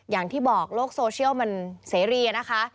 อย่างที่บอกโลกโซเชียลมันเสรีนะคะ